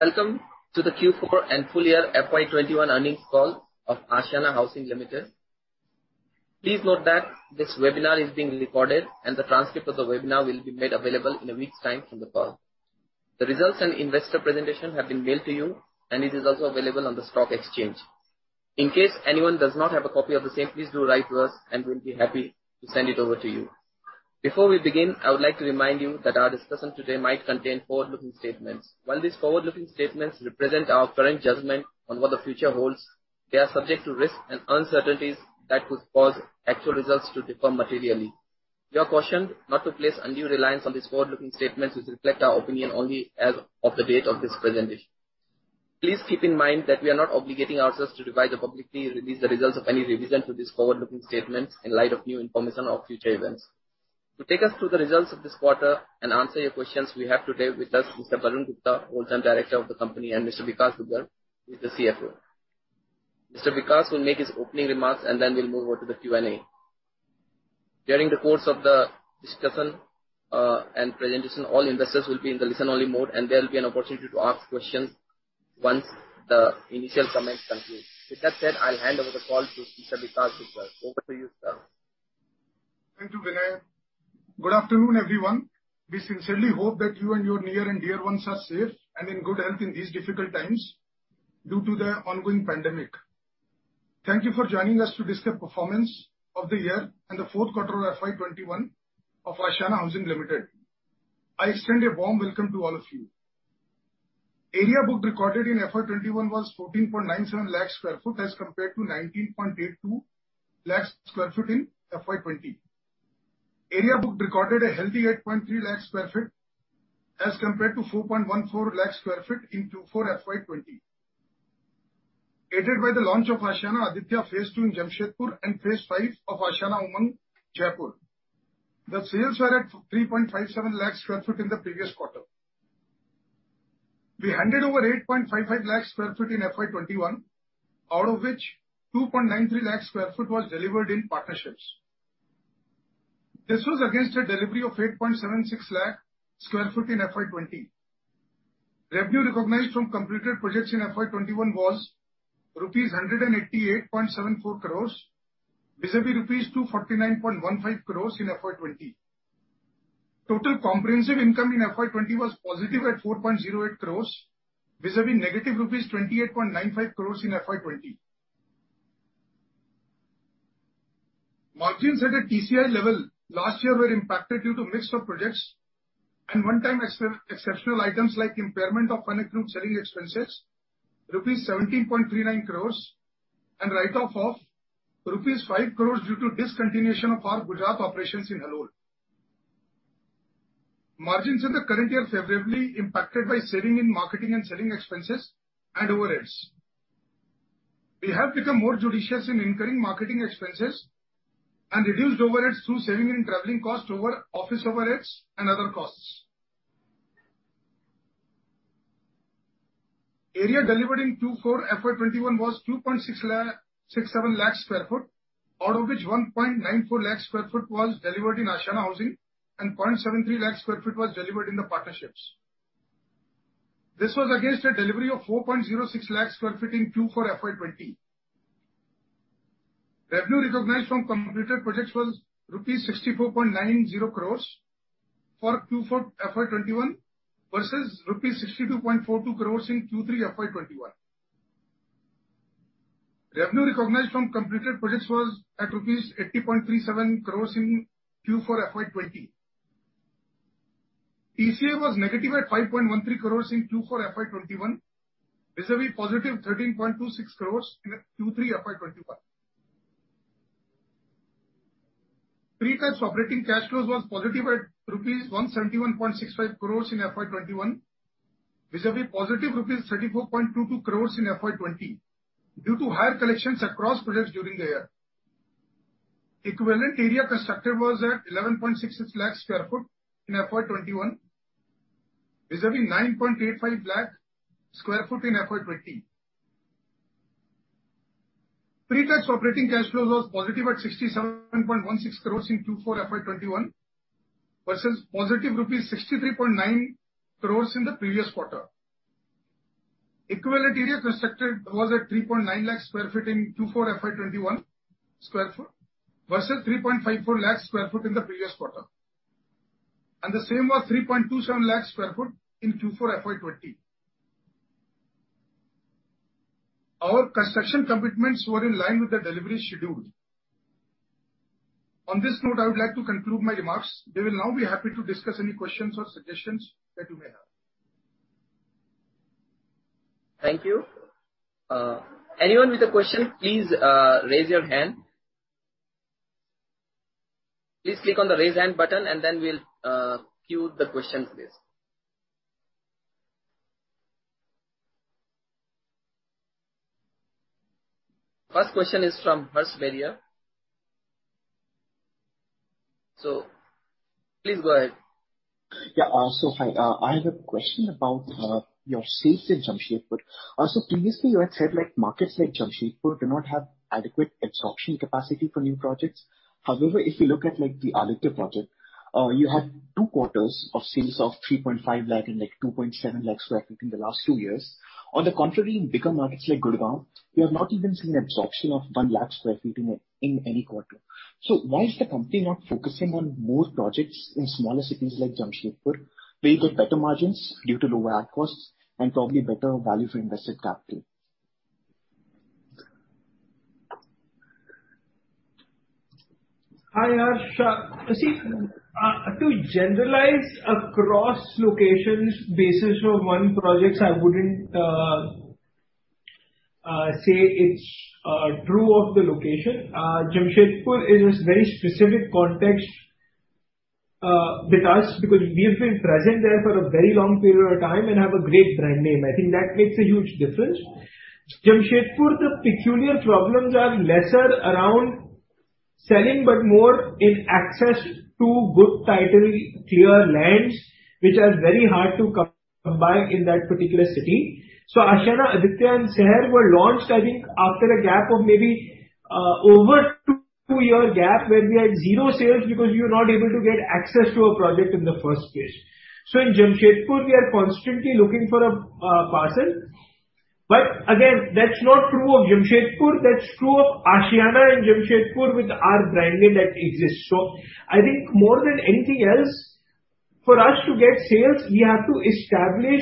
Welcome to the Q4 and full year FY21 earnings call of Ashiana Housing Limited. Please note that this webinar is being recorded, and the transcript of the webinar will be made available in a week's time from the call. The results and investor presentation have been mailed to you, and it is also available on the stock exchange. In case anyone does not have a copy of the same, please do write to us, and we'll be happy to send it over to you. Before we begin, I would like to remind you that our discussion today might contain forward-looking statements. While these forward-looking statements represent our current judgment on what the future holds, they are subject to risks and uncertainties that could cause actual results to differ materially. You are cautioned not to place undue reliance on these forward-looking statements, which reflect our opinion only as of the date of this presentation. Please keep in mind that we are not obligating ourselves to revise or publicly release the results of any revision to these forward-looking statements in light of new information or future events. To take us through the results of this quarter and answer your questions, we have today with us Mr. Varun Gupta, Whole Time Director of the company, and Mr. Vikash Dugar, who is the CFO. Mr. Vikash will make his opening remarks, and then we'll move over to the Q&A. During the course of the discussion, and presentation, all investors will be in the listen-only mode, and there will be an opportunity to ask questions once the initial comments conclude. With that said, I'll hand over the call to Mr. Vikash Dugar. Over to you, sir. Thank you, Vinay. Good afternoon, everyone. We sincerely hope that you and your near and dear ones are safe and in good health in these difficult times due to the ongoing pandemic. Thank you for joining us to discuss the performance of the year and the fourth quarter of FY 2020 of Ashiana Housing Limited. I extend a warm welcome to all of you. Area Booked recorded in FY 2020 was 14.97 lakh sq ft, as compared to 19.82 lakh sq ft FY 2020. area booked recorded a healthy 8.3 lakh sq ft, as compared to 4.14 lakh sq ft in FY 2020. aided by the launch of Ashiana Aditya Phase 2 in Jamshedpur and Phase 5 of Ashiana Umang, Jaipur. The sales were at 3.57 lakh sq ft in the previous quarter. We handed over 855,000 sq ft in FY 2020, out of which 293,000 sq ft was delivered in partnerships. This was against a delivery of 876,000 sq ft FY 2020. revenue recognized from completed projects in FY 2020 was rupees 188.74 crores, vis-à-vis INR 249.15 crores FY 2020. total comprehensive income FY 2020 was positive at 4.08 crores, vis-à-vis negative rupees 28.95 crores FY 2020. margins at a TCI level last year were impacted due to mix of projects and one-time exceptional items like impairment of contract selling expenses, rupees 17.39 crores, and write-off of rupees 5 crores due to discontinuation of our Gujarat operations in Halol. Margins in the current year are favorably impacted by saving in marketing and selling expenses and overheads. We have become more judicious in incurring marketing expenses and reduced overheads through saving in traveling costs over office overheads and other costs. Area delivered in Q4 FY 2020 was 2.667 lakh sq ft, out of which 1.94 lakh sq ft was delivered in Ashiana Housing, and 0.73 lakh sq ft was delivered in the partnerships. This was against a delivery of 4.06 lakh sq ft in FY 2020. revenue recognized from completed projects was rupees 64.90 crores for Q4 FY 2020, versus INR 62.42 crores in Q3 FY 2020. Revenue recognized from completed projects was at rupees 80.37 crores in q4 FY 2020. TCI was negative at 5.13 crores in Q4 FY 2020, vis-à-vis positive 13.26 crores in Q3 FY 2020. Pre-tax operating cash flows was positive at rupees 171.65 crores in FY 2020, vis-à-vis positive rupees 34.22 crores FY 2020, due to higher collections across projects during the year. Equivalent area constructed was at 11.66 lakh sq ft in FY 2020, vis-à-vis 9.85 lakh sq ft FY 2020. pre-tax operating cash flow was positive at 67.16 crores in Q4 FY 2020, versus positive rupees 63.9 crores in the previous quarter. Equivalent area constructed was at 3.9 lakh sq ft in Q4 FY21, versus 3.54 lakh sq ft in the previous quarter, and the same was 3.27 lakh sq ft in Q4 FY20. Our construction commitments were in line with the delivery schedule. On this note, I would like to conclude my remarks. We will now be happy to discuss any questions or suggestions that you may have. Thank you. Anyone with a question, please, raise your hand. Please click on the Raise Hand button, and then we'll queue the question, please. First question is from Harsh Beria- Please go ahead. Yeah, so hi, I have a question about your sales in Jamshedpur. Also previously you had said, like, markets like Jamshedpur do not have adequate absorption capacity for new projects. However, if you look at, like, the Aditya project, you had two quarters of sales of 3.5 lakh and, like, 2.7 lakh sq ft in the last two years. On the contrary, in bigger markets like Gurgaon, you have not even seen absorption of 1 lakh sq ft in any quarter. So why is the company not focusing on more projects in smaller cities like Jamshedpur, where you get better margins due to lower costs and probably better value for invested capital? Hi, Harsh. You see, to generalize across locations basis of one projects, I wouldn't say it's true of the location. Jamshedpur is very specific context with us because we have been present there for a very long period of time and have a great brand name. I think that makes a huge difference. Jamshedpur, the peculiar problems are lesser around selling, but more in access to good title, clear lands, which are very hard to come by in that particular city. So Ashiana Aditya and Seher were launched, I think, after a gap of maybe over two year gap, where we had zero sales because you're not able to get access to a project in the first place. So in Jamshedpur, we are constantly looking for a parcel, but again, that's not true of Jamshedpur, that's true of Ashiana and Jamshedpur with our brand name that exists. So I think more than anything else, for us to get sales, we have to establish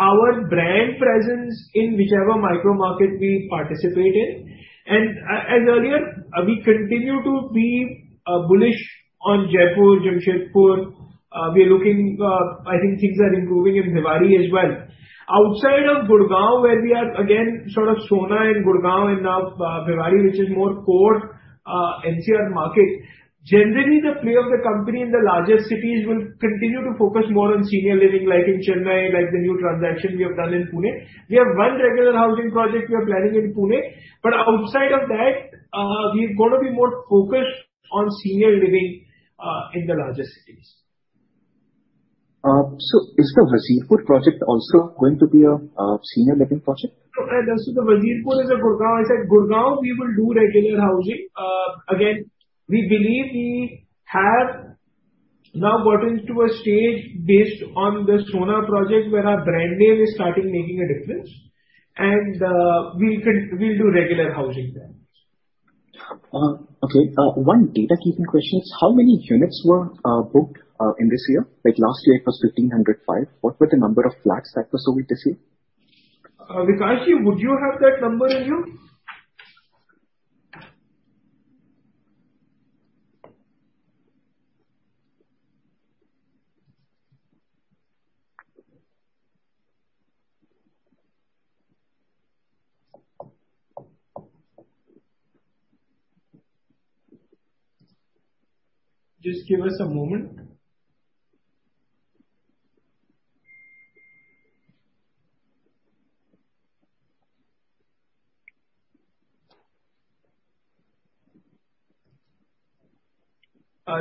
our brand presence in whichever micro market we participate in. And as earlier, we continue to be bullish on Jaipur, Jamshedpur. We are looking... I think things are improving in Bhiwadi as well. Outside of Gurgaon, where we are again sort of Sohna in Gurgaon and now Bhiwadi, which is more core NCR market, generally the play of the company in the larger cities will continue to focus more on Senior Living, like in Chennai, like the new transaction we have done in Pune. We have one regular housing project we are planning in Pune, but outside of that, we're gonna be more focused on Senior Living in the larger cities. So, is the Wazirpur project also going to be a Senior Living project? So, so the Wazirpur is in Gurgaon. I said Gurgaon we will do regular housing. Again, we believe we have now gotten to a stage based on the Sohna project, where our brand name is starting making a difference, and, we'll do regular housing there. Okay. One data keeping question, how many units were booked in this year? Like last year it was 1,505. What were the number of flats that were sold this year? Vikash, would you have that number in you? Just give us a moment.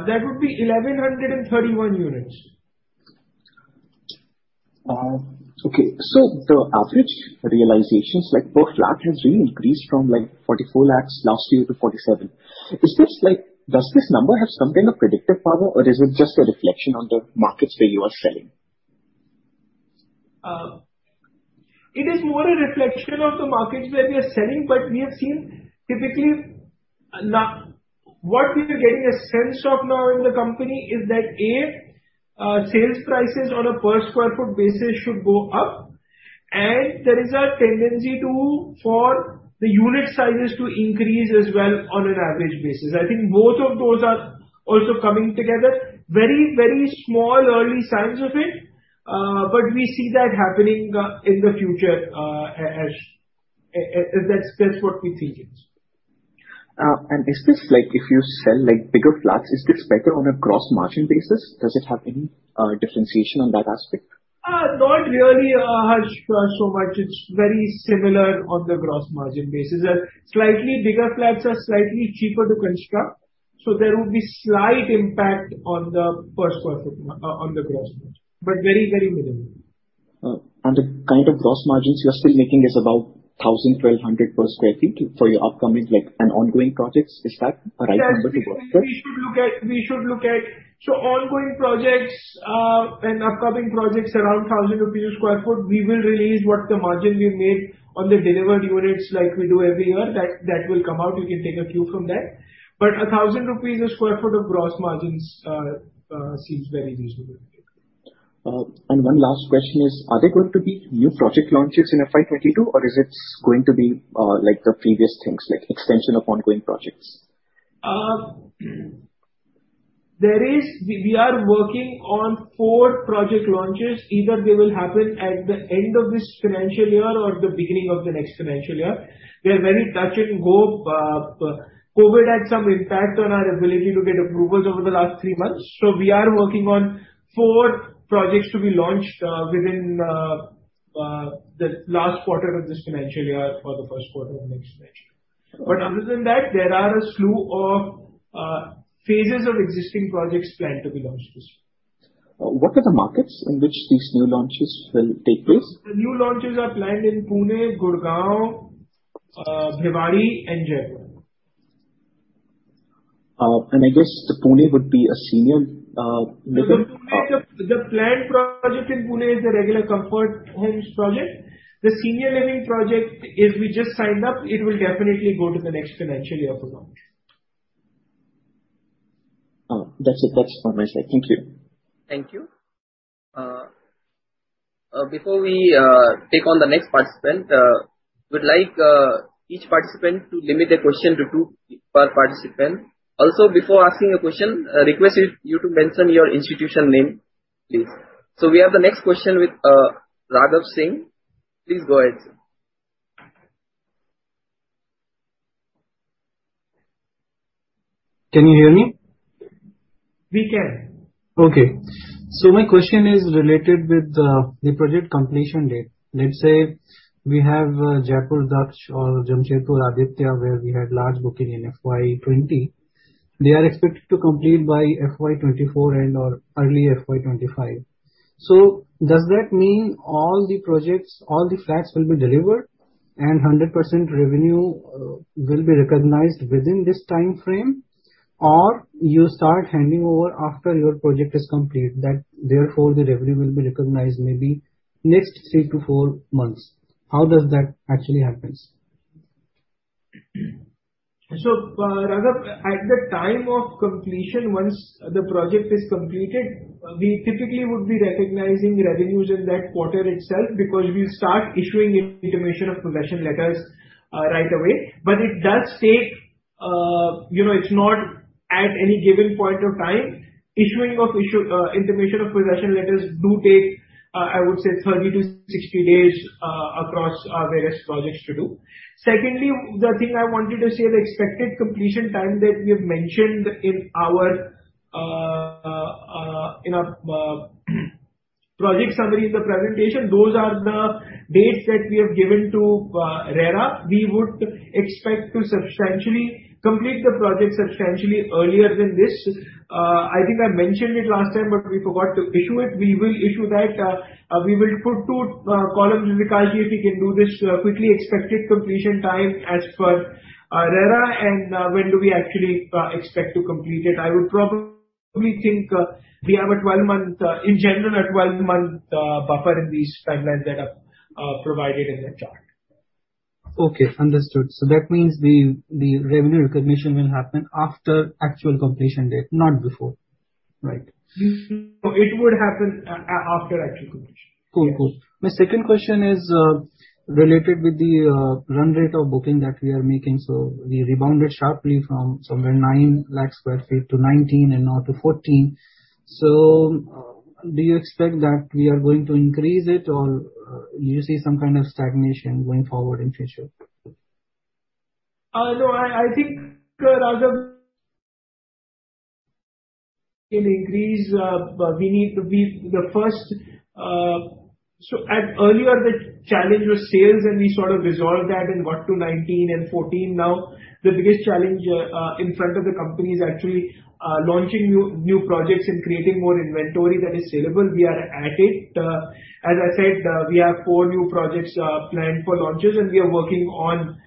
That would be 1,131 units. Okay. So the average realizations, like, per flat has really increased from, like, 44 lakhs last year to 47 lakhs. Is this, like, does this number have some kind of predictive power, or is it just a reflection on the markets where you are selling? It is more a reflection of the markets where we are selling, but we have seen typically, now what we are getting a sense of now in the company is that, A, sales prices on a per sq ft basis should go up, and there is a tendency to, for the unit sizes to increase as well on an average basis. I think both of those are also coming together. Very, very small early signs of it, but we see that happening in the future as and that's what we think it is. Is this, like, if you sell, like, bigger flats, is this better on a gross margin basis? Does it have any differentiation on that aspect? Not really, Harsh, so much. It's very similar on the gross margin basis. A slightly bigger flats are slightly cheaper to construct, so there will be slight impact on the per square foot, on the gross margin, but very, very minimal. The kind of gross margins you're still making is about 1,000-1,200 per sq ft for your upcoming, like, and ongoing projects. Is that the right number to go with? We should look at, we should look at... So ongoing projects and upcoming projects, around 1,000 rupees a sq ft. We will release what the margin we made on the delivered units like we do every year. That will come out, you can take a view from that. But 1,000 rupees a sq ft of gross margins seems very reasonable. One last question is, are there going to be new project launches in FY 2022, or is it going to be like the previous things, like extension of ongoing projects? We are working on four project launches. Either they will happen at the end of this financial year or the beginning of the next financial year. We are very touch and go. COVID had some impact on our ability to get approvals over the last three months. So we are working on four projects to be launched within the last quarter of this financial year or the first quarter of next financial year. But other than that, there are a slew of phases of existing projects planned to be launched this year. What are the markets in which these new launches will take place? The new launches are planned in Pune, Gurgaon, Bhiwadi, and Jaipur. And I guess the Pune would be a Senior Living- The planned project in Pune is a regular Comfort Homes project. The Senior Living project is, we just signed up. It will definitely go to the next financial year for launch. Oh, that's it. That's all my side. Thank you. Thank you. Before we take on the next participant, we'd like each participant to limit their question to two per participant. Also, before asking a question, I request you to mention your institution name, please. So we have the next question with Raghav Singh. Please go ahead, sir. Can you hear me? We can. Okay. So my question is related with the project completion date. Let's say we have Jaipur Daksh or Jamshedpur Aditya, where we had large booking FY 2020. they are expected to complete by FY 2024 and/or early FY 2025. So does that mean all the projects, all the flats will be delivered and 100% revenue will be recognized within this timeframe? Or you start handing over after your project is complete, that therefore the revenue will be recognized maybe next three to four months. How does that actually happens? So, Raghav, at the time of completion, once the project is completed, we typically would be recognizing revenues in that quarter itself, because we start issuing intimation of possession letters right away. But it does take, you know, it's not at any given point of time. Issuing of intimation of possession letters does take, I would say 30-60 days across various projects to do. Secondly, the thing I wanted to say, the expected completion time that we have mentioned in our project summary in the presentation, those are the dates that we have given to RERA. We would expect to substantially complete the project substantially earlier than this. I think I mentioned it last time, but we forgot to issue it. We will issue that. We will put two columns, Vikashji, if we can do this quickly, expected completion time as per RERA and when do we actually expect to complete it. I would probably think we have a 12-month, in general, a 12-month buffer in these timelines that are provided in the chart. Okay, understood. So that means the revenue recognition will happen after actual completion date, not before, right? Mm-hmm. So it would happen after actual completion. Cool, cool. My second question is related with the run rate of booking that we are making. So we rebounded sharply from somewhere 9 lakh sq ft to 19 and now to 14. So, do you expect that we are going to increase it, or you see some kind of stagnation going forward in future? No, I think, Raghav, it will increase, but we need to be the first. So earlier, the challenge was sales, and we sort of resolved that and got to 19 and 14. Now, the biggest challenge in front of the company is actually launching new projects and creating more inventory that is saleable. We are at it. As I said, we have four new projects planned for launches, and we are working on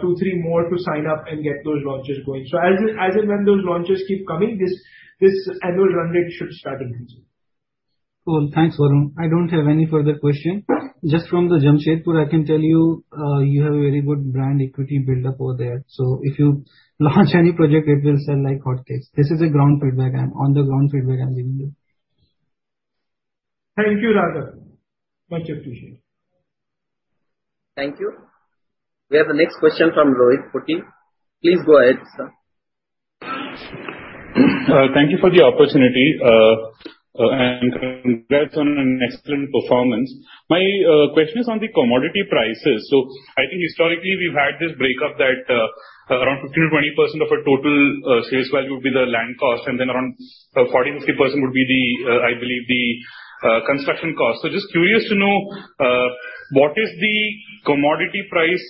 two, three more to sign up and get those launches going. So as and when those launches keep coming, this annual run rate should start increasing. Cool. Thanks, Varun. I don't have any further question. Just from the Jamshedpur, I can tell you, you have a very good brand equity build-up over there. So if you launch any project, it will sell like hotcakes. This is a ground feedback, on the ground feedback I'm giving you. Thank you, Raghav. Much appreciated. Thank you. We have the next question from Rohit Potti. Please go ahead, sir. Thank you for the opportunity. And congrats on an excellent performance. My question is on the commodity prices. So I think historically, we've had this break-up that around 15%-20% of our total sales value would be the land cost, and then around 40-50% would be the, I believe, the construction cost. So just curious to know what is the commodity price,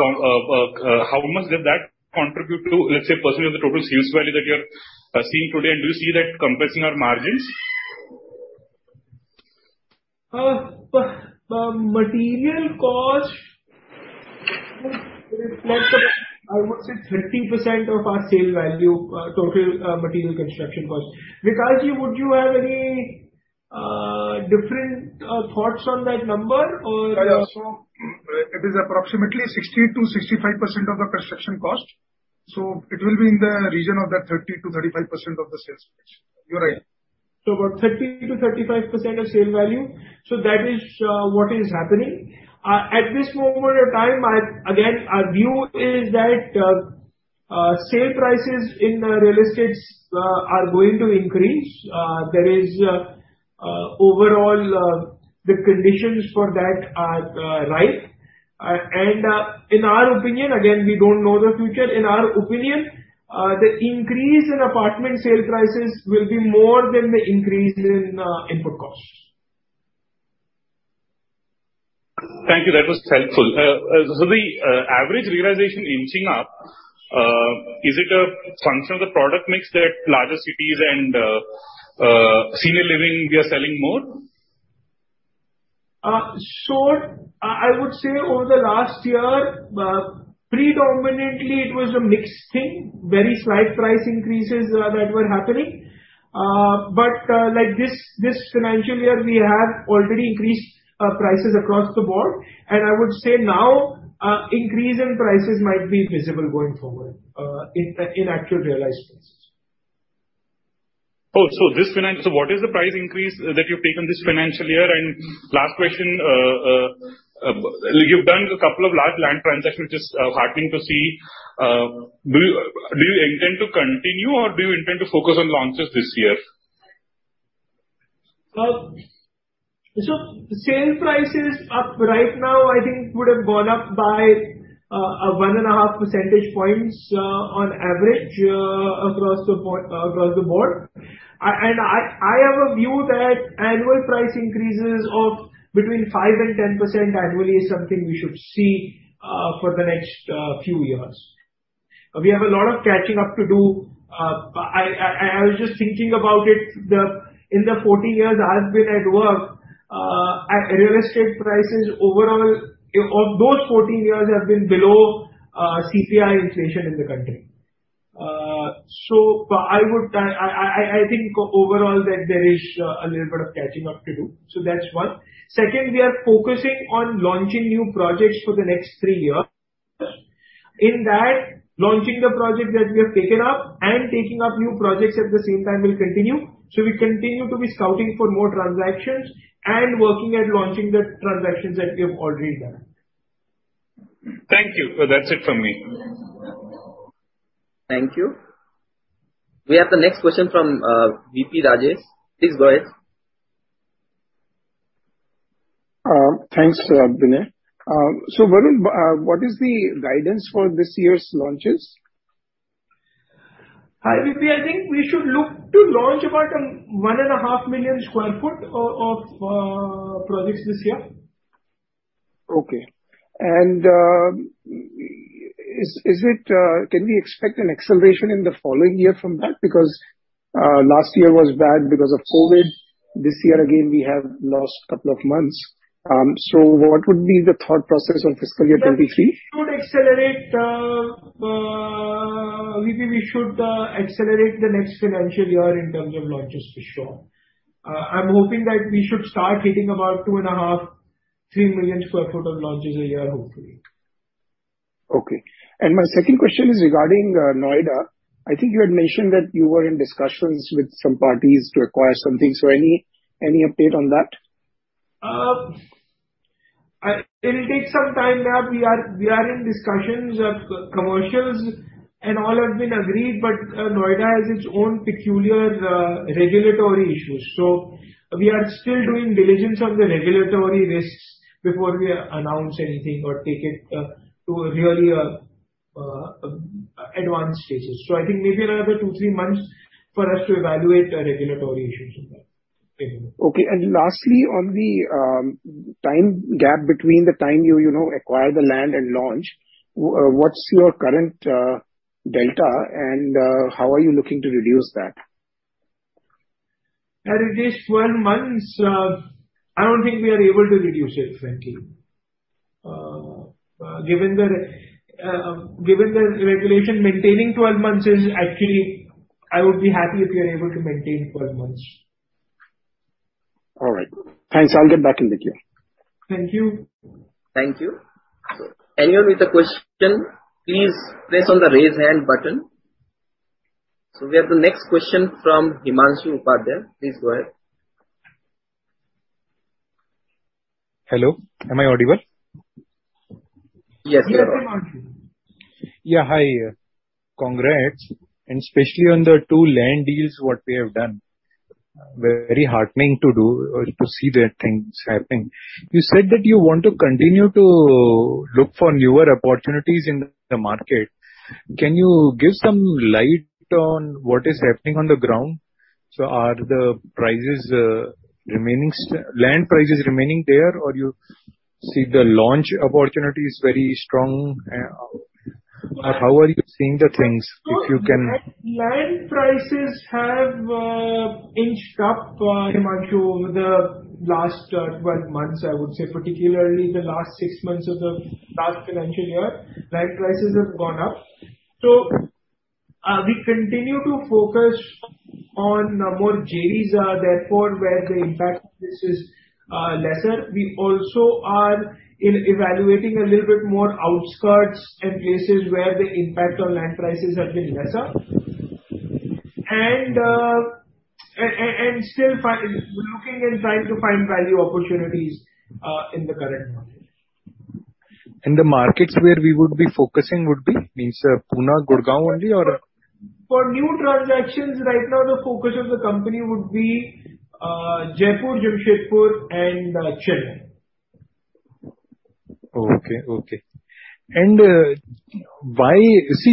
how much does that contribute to, let's say, % of the total sales value that you are seeing today? And do you see that compressing our margins? Material cost, I would say 30% of our sales value, total, material construction cost. Vikashji, would you have any different thoughts on that number or- So it is approximately 60%-65% of the construction cost. So it will be in the region of that 30%-35% of the sales price. You're right. So about 30-35% of sale value, so that is what is happening. At this moment of time, I, again, our view is that sale prices in real estate are going to increase. There is overall the conditions for that are ripe.... and in our opinion, again, we don't know the future. In our opinion, the increase in apartment sale prices will be more than the increase in input costs. Thank you. That was helpful. So the average realization inching up, is it a function of the product mix that larger cities and Senior Living we are selling more? Sure. I, I would say over the last year, predominantly it was a mixed thing, very slight price increases, that were happening. But, like this, this financial year, we have already increased, prices across the board. And I would say now, increase in prices might be visible going forward, in, in actual realized prices. So what is the price increase that you've taken this financial year? And last question, you've done a couple of large land transactions which is heartening to see. Do you, do you intend to continue, or do you intend to focus on launches this year? So, sale price is up right now. I think it would have gone up by a 1.5 percentage points on average across the board. I have a view that annual price increases of between 5% and 10% annually is something we should see for the next few years. We have a lot of catching up to do. But I was just thinking about it. In the 14 years I've been at work at real estate, prices overall of those 14 years have been below CPI inflation in the country. So I would think overall that there is a little bit of catching up to do. So that's one. Second, we are focusing on launching new projects for the next 3 years. In that, launching the projects that we have taken up and taking up new projects at the same time will continue. So we continue to be scouting for more transactions and working at launching the transactions that we have already done. Thank you. That's it from me. Thank you. We have the next question from V.P. Rajesh. Please go ahead. Thanks, Vinay. So Varun, what is the guidance for this year's launches? Hi, VP. I think we should look to launch about 1.5 million sq ft of projects this year. Okay. And, is it, can we expect an acceleration in the following year from that? Because, last year was bad because of COVID. This year, again, we have lost couple of months. So what would be the thought process for fiscal year 2023? We should accelerate the next financial year in terms of launches for sure. I'm hoping that we should start hitting about 2.5-3 million sq ft of launches a year, hopefully. Okay. My second question is regarding Noida. I think you had mentioned that you were in discussions with some parties to acquire something. So any update on that? It'll take some time now. We are in discussions of commercials, and all have been agreed, but Noida has its own peculiar regulatory issues. So we are still doing diligence of the regulatory risks before we announce anything or take it to a really advanced stages. So I think maybe another 2-3 months for us to evaluate the regulatory issues in that. Thank you. Okay. And lastly, on the time gap between the time you, you know, acquire the land and launch, what's your current delta, and how are you looking to reduce that? At least 12 months, I don't think we are able to reduce it, frankly. Given the regulation, maintaining 12 months is actually... I would be happy if we are able to maintain 12 months. All right. Thanks. I'll get back in with you. Thank you. Thank you. Anyone with a question, please press on the Raise Hand button. So we have the next question from Himanshu Upadhyay. Please go ahead. Hello, am I audible? Yes, you are. Yes, Himanshu. Yeah, hi. Congrats, and especially on the two land deals what we have done. Very heartening to do, to see that things happening. You said that you want to continue to look for newer opportunities in the market. Can you give some light on what is happening on the ground? So are the prices, land prices remaining there, or you see the launch opportunity is very strong? How are you seeing the things, if you can- Land prices have inched up, Himanshu, over the last 12 months, I would say, particularly the last 6 months of the last financial year, land prices have gone up. So, we continue to focus on more JDs, therefore, where the impact of this is lesser. We also are evaluating a little bit more outskirts and places where the impact on land prices have been lesser. And still looking and trying to find value opportunities in the current market. The markets where we would be focusing would be, means, Pune, Gurgaon only, or? ...For new transactions right now, the focus of the company would be Jaipur, Jamshedpur, and Chennai. Okay, okay. See,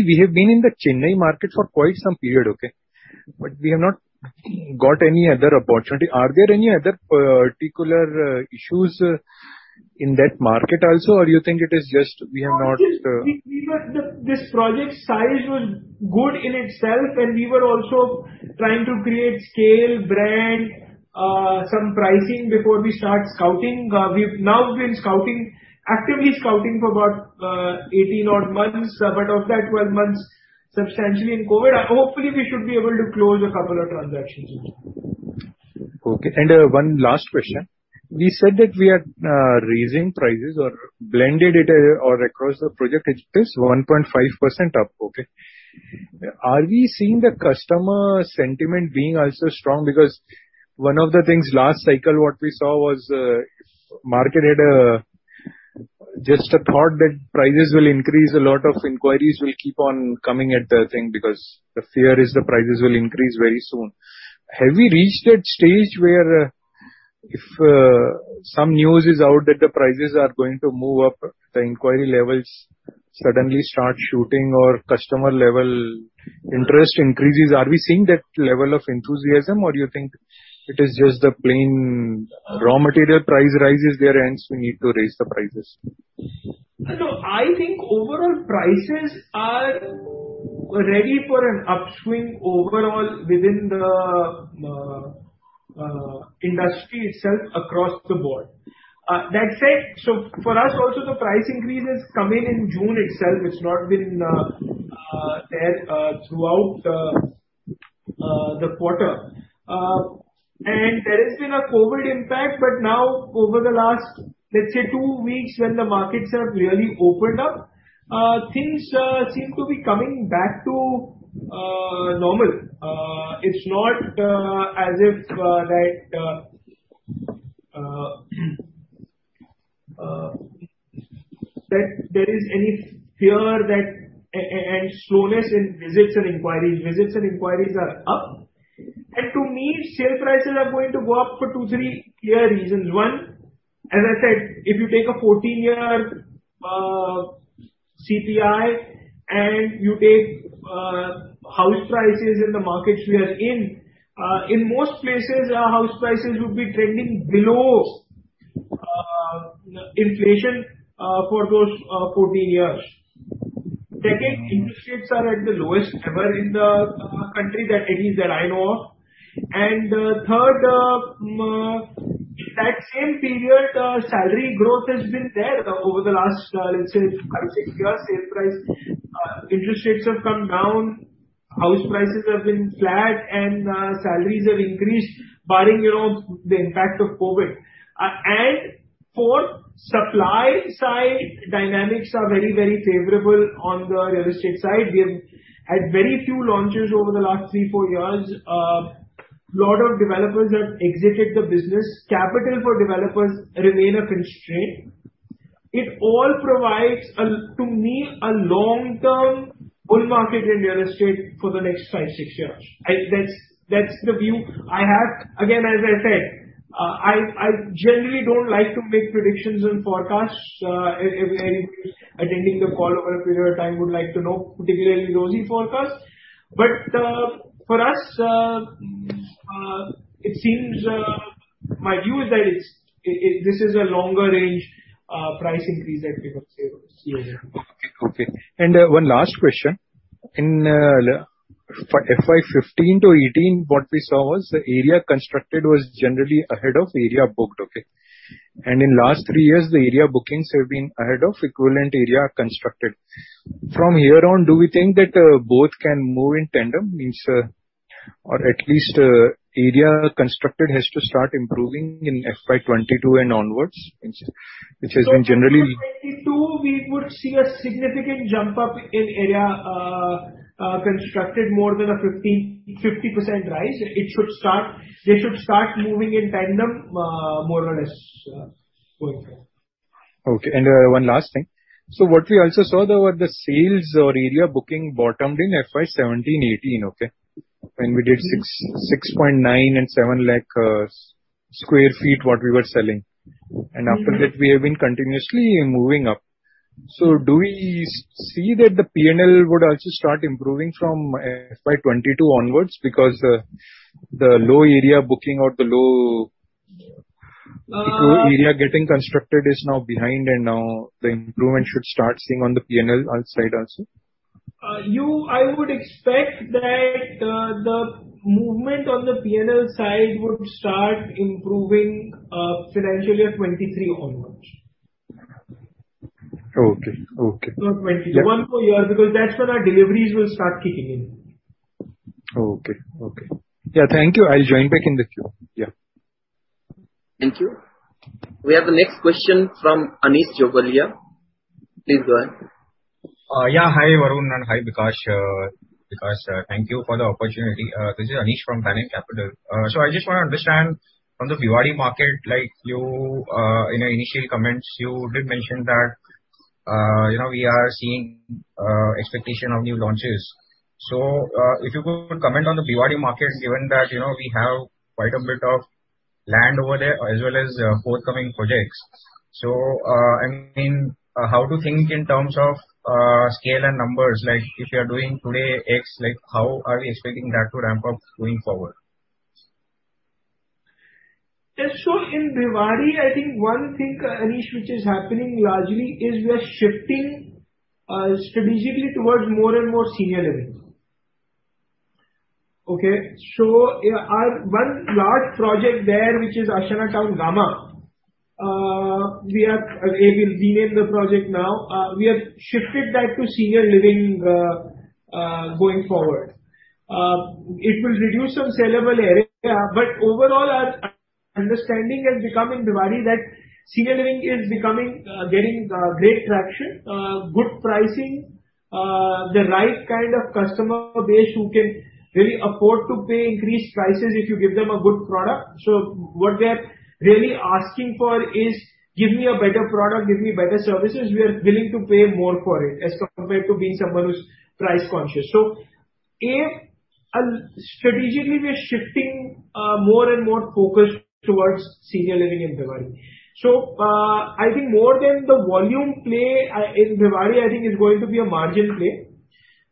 we have been in the Chennai market for quite some period, okay? But we have not got any other opportunity. Are there any other particular issues in that market also, or you think it is just we have not- No, just we were—this project size was good in itself, and we were also trying to create scale, brand, some pricing before we start scouting. We've now been scouting, actively scouting for about 18 odd months, but of that 12 months, substantially in COVID. Hopefully we should be able to close a couple of transactions. Okay, and, one last question. We said that we are, raising prices or blended it, or across the project, it is 1.5% up, okay? Are we seeing the customer sentiment being also strong? Because one of the things last cycle, what we saw was, market had, just a thought that prices will increase, a lot of inquiries will keep on coming at the thing, because the fear is the prices will increase very soon. Have we reached that stage where, if, some news is out that the prices are going to move up, the inquiry levels suddenly start shooting or customer level interest increases? Are we seeing that level of enthusiasm, or you think it is just the plain raw material price rise is there, hence we need to raise the prices? No, I think overall prices are ready for an upswing overall within the industry itself across the board. That said, so for us also, the price increase is coming in June itself. It's not been there throughout the quarter. And there has been a COVID impact, but now over the last, let's say, two weeks when the markets have really opened up, things seem to be coming back to normal. It's not as if that there is any fear that, and slowness in visits and inquiries. Visits and inquiries are up. And to me, sale prices are going to go up for two, three clear reasons. One, as I said, if you take a 14-year CPI and you take house prices in the markets we are in, in most places, our house prices would be trending below inflation for those 14 years. Second, interest rates are at the lowest ever in the country that any that I know of. And third, that same period, salary growth has been there over the last, let's say, 5-6 years. Sale price, interest rates have come down, house prices have been flat, and salaries have increased, barring, you know, the impact of COVID. And fourth, supply side dynamics are very, very favorable on the real estate side. We have had very few launches over the last 3-4 years. Lot of developers have exited the business. Capital for developers remain a constraint. It all provides a, to me, a long-term bull market in real estate for the next 5, 6 years. That's, that's the view I have. Again, as I said, I generally don't like to make predictions and forecasts. If anybody attending the call over a period of time would like to know, particularly rosy forecasts. But for us, it seems my view is that it's this is a longer range price increase that we would see here. Okay, okay. One last question. In, for FY 15 to 18, what we saw was the area constructed was generally ahead of area booked, okay? In last three years, the area bookings have been ahead of equivalent area constructed. From here on, do we think that, both can move in tandem, means, or at least, area constructed has to start improving in FY 22 and onwards, which, which has been generally- In 2022, we would see a significant jump up in area constructed more than a 50% rise. They should start moving in tandem, more or less, going forward. Okay. And, one last thing. So what we also saw there were the sales or area booking bottomed in FY 2017-18, okay? When we did 6, 6.9 and 7 lakh sq ft, what we were selling. Mm-hmm. After that, we have been continuously moving up. So do we see that the PNL would also start improving from FY 22 onwards? Because the low area booking or the low- Uh- area getting constructed is now behind, and now the improvement should start seeing on the P&L side also. I would expect that the movement on the PNL side would start improving financially at 2023 onward. Okay, okay. Not 20, one full year, because that's when our deliveries will start kicking in. Okay, okay. Yeah, thank you. I'll join back in the queue. Yeah. Thank you. We have the next question from Anish Jobalia. Please go ahead. Yeah, hi, Varun, and hi, Vikash, thank you for the opportunity. This is Anish from Planet Capital. So I just want to understand from the Bhiwadi market, like in your initial comments, you did mention that you know, we are seeing expectation of new launches. So if you could comment on the Bhiwadi market, given that you know, we have quite a bit of land over there, as well as forthcoming projects. So I mean, how to think in terms of scale and numbers, like if you are doing today ex, like how are we expecting that to ramp up going forward? Yes. So in Bhiwadi, I think one thing, Anish, which is happening largely is we are shifting strategically towards more and more Senior Living. Okay? So, our one large project there, which is Ashiana Town Gamma, we will rename the project now. We have shifted that to Senior Living, going forward. It will reduce some sellable area, but overall, our understanding has become in Bhiwadi, that Senior Living is becoming getting great traction, good pricing, the right kind of customer base who can really afford to pay increased prices if you give them a good product. So what they're really asking for is: Give me a better product, give me better services, we are willing to pay more for it, as compared to paying someone who's price conscious. So strategically we are shifting more and more focus towards Senior Living in Bhiwadi. So I think more than the volume play in Bhiwadi, I think it's going to be a margin play.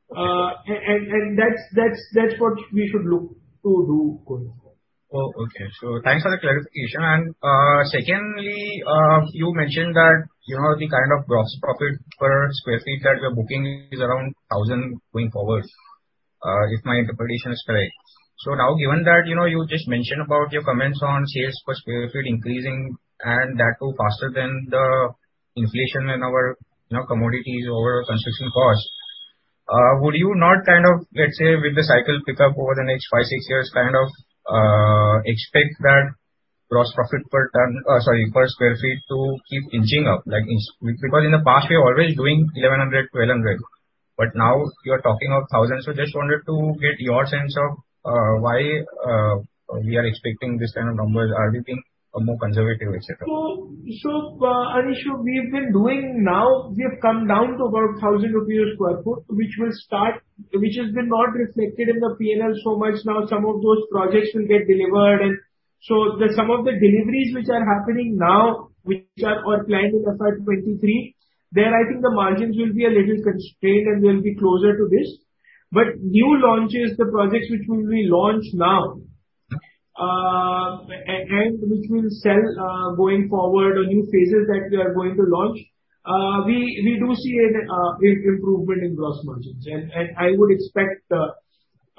And that's what we should look to do going forward. Oh, okay. So thanks for the clarification. And, secondly, you mentioned that, you know, the kind of gross profit per sq ft that you're booking is around 1000 going forward, if my interpretation is correct. So now, given that, you know, you just mentioned about your comments on sales per sq ft increasing, and that too faster than the inflation in our, you know, commodities over construction costs, would you not kind of, let's say, with the cycle pick up over the next 5-6 years, kind of, expect that gross profit per ton, sorry, per sq ft, to keep inching up? Like, because in the past you're always doing 1100, 1200, but now you are talking of INR 1000s. So just wanted to get your sense of, why we are expecting this kind of numbers. Are we being, more conservative, et cetera? So, Anish, we've been doing now, we have come down to about 1,000 rupees/sq ft, which has not been reflected in the PNL so much now. Some of those projects will get delivered. And so the, some of the deliveries which are happening now, which are planned in the year 2023, there I think the margins will be a little constrained and will be closer to this. But new launches, the projects which will be launched now, and which we will sell, going forward, or new phases that we are going to launch, we do see an improvement in gross margins. And I would expect,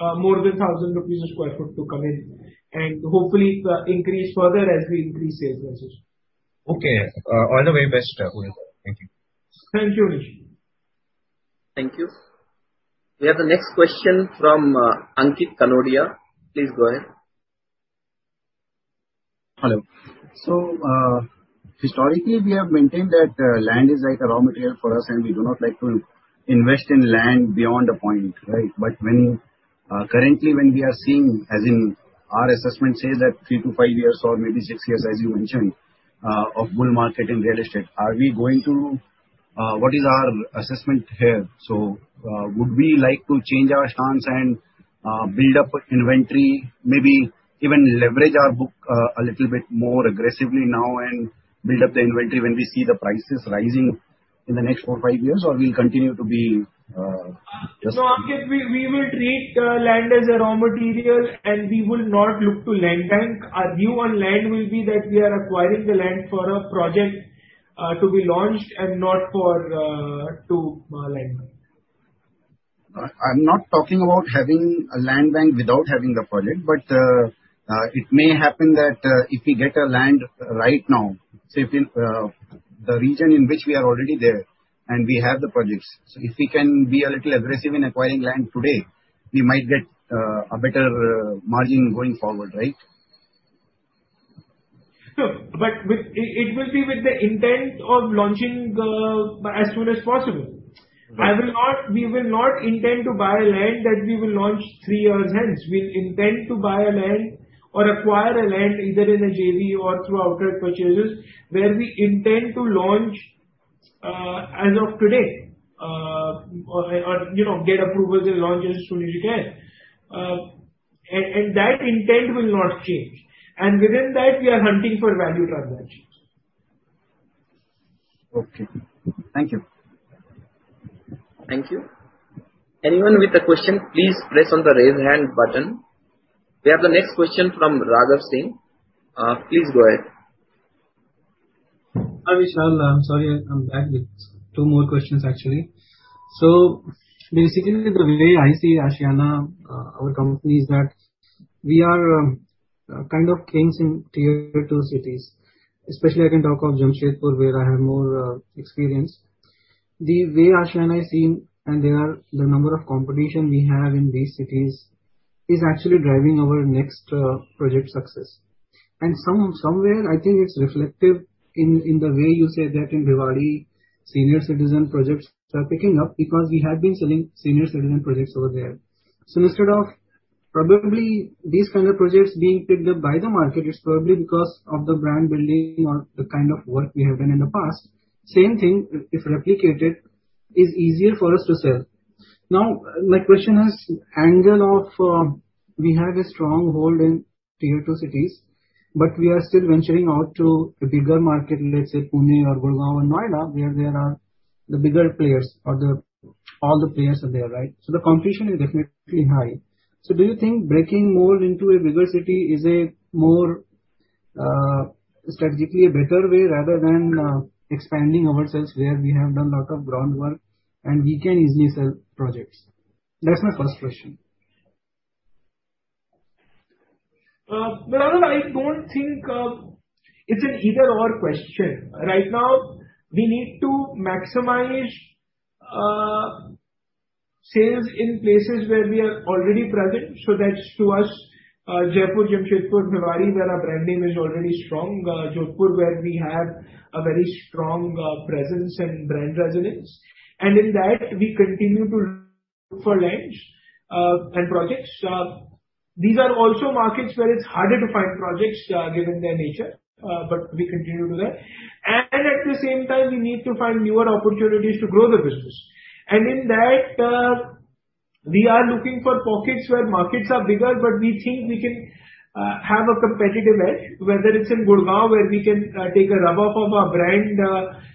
more than 1,000 rupees a sq ft to come in, and hopefully, increase further as we increase sales mixes. Okay. All the very best going forward. Thank you. Thank you, Anish. Thank you. We have the next question from Ankit Kanodia. Please go ahead. Hello. So, historically, we have maintained that land is like a raw material for us, and we do not like to invest in land beyond a point, right? But when, currently, when we are seeing, as in our assessment says that 3-5 years or maybe 6 years, as you mentioned, of bull market in real estate, are we going to... What is our assessment here? So, would we like to change our stance and build up inventory, maybe even leverage our book a little bit more aggressively now and build up the inventory when we see the prices rising in the next 4-5 years, or we'll continue to be just- So Ankit, we will treat land as a raw material and we will not look to land bank. Our view on land will be that we are acquiring the land for a project to be launched and not to land bank. I'm not talking about having a land bank without having the project, but, it may happen that, if we get a land right now, say, in, the region in which we are already there, and we have the projects, so if we can be a little aggressive in acquiring land today, we might get, a better, margin going forward, right? Sure, but it will be with the intent of launching the, as soon as possible. Right. We will not intend to buy a land that we will launch three years hence. We'll intend to buy a land or acquire a land, either in a JV or through outright purchases, where we intend to launch as of today. Or, you know, get approvals and launch as soon as we can. And that intent will not change, and within that, we are hunting for value transactions. Okay. Thank you. Thank you. Anyone with a question, please press on the Raise Hand button. We have the next question from Raghav Singh. Please go ahead. Hi, Vishal. I'm sorry, I'm back with two more questions, actually. So basically, the way I see Ashiana, our company, is that we are kind of kings in tier two cities. Especially I can talk of Jamshedpur, where I have more experience. The way Ashiana is seen, and there are the number of competition we have in these cities, is actually driving our next project success. And somewhere, I think it's reflective in the way you say that in Bhiwadi, senior citizen projects are picking up, because we had been selling senior citizen projects over there. So probably these kind of projects being picked up by the market is probably because of the brand building or the kind of work we have done in the past. Same thing, if replicated, is easier for us to sell. Now, my question is angle of, we have a strong hold in tier two cities, but we are still venturing out to the bigger market, let's say Pune or Gurgaon and Noida, where there are the bigger players or the- all the players are there, right? So the competition is definitely high. So do you think breaking more into a bigger city is a more, strategically a better way, rather than, expanding ourselves where we have done lot of ground work and we can easily sell projects? That's my first question. Raghav, I don't think it's an either/or question. Right now, we need to maximize sales in places where we are already present. So that's to us, Jaipur, Jodhpur, Bhiwadi, where our brand name is already strong. Jodhpur, where we have a very strong presence and brand resonance. And in that, we continue to look for lands and projects. These are also markets where it's harder to find projects given their nature, but we continue to do that. And at the same time, we need to find newer opportunities to grow the business. In that, we are looking for pockets where markets are bigger, but we think we can have a competitive edge, whether it's in Gurgaon, where we can take a rub-off of our brand,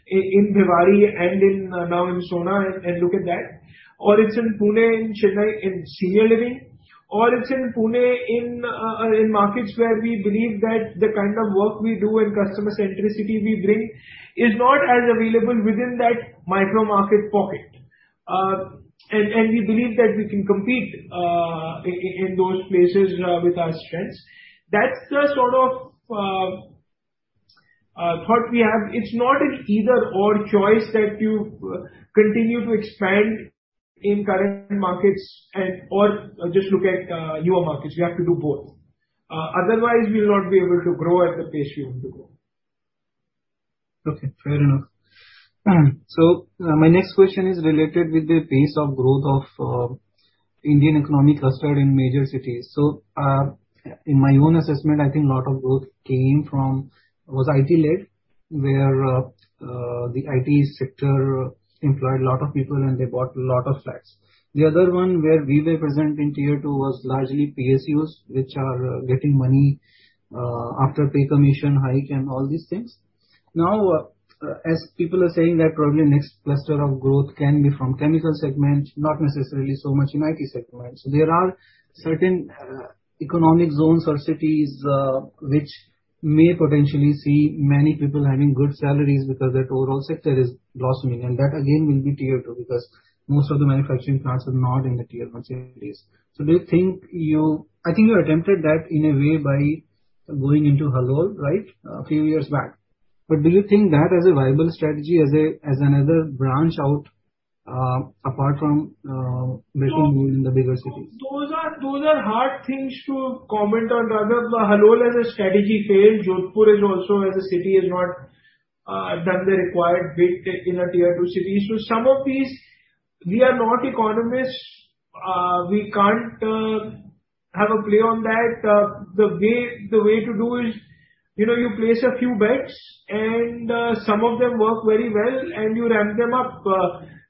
in Bhiwadi and in, now in Sohna, and look at that. Or it's in Pune, in Chennai, in Senior Living. Or it's in Pune, in markets where we believe that the kind of work we do and customer centricity we bring is not as available within that micro market pocket. And we believe that we can compete in those places with our strengths. That's the sort of thought we have. It's not an either/or choice that you continue to expand in current markets and or just look at newer markets. We have to do both. Otherwise we'll not be able to grow at the pace we want to grow. Okay, fair enough. So, my next question is related with the pace of growth of Indian economic cluster in major cities. So, in my own assessment, I think a lot of growth came from, was IT-led, where the IT sector employed a lot of people and they bought a lot of flats. The other one, where we were present in tier two, was largely PSUs, which are getting money after pay commission hike and all these things. Now, as people are saying that probably next cluster of growth can be from chemical segment, not necessarily so much in IT segment. So there are certain economic zones or cities which may potentially see many people having good salaries because that overall sector is blossoming. And that again, will be tier two, because most of the manufacturing plants are not in the tier one cities. So do you think you... I think you attempted that in a way by going into Halol, right? A few years back. But do you think that is a viable strategy as a, as another branch out, apart from, making move in the bigger cities? Those are, those are hard things to comment on, Raghav. Halol as a strategy failed. Jodhpur is also, as a city, has not done the required bit in our tier two cities. So some of these, we are not economists, we can't have a play on that. The way, the way to do is, you know, you place a few bets, and some of them work very well, and you ramp them up.